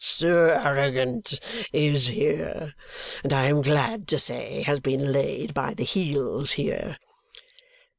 "Ha ha ha! Sir Arrogant is here, and I am glad to say, has been laid by the heels here.